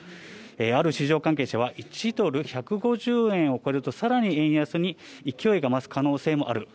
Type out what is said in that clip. ある市場関係者は、１ドル１５０円を超えると、さらに円安に勢いが増す可能性もある。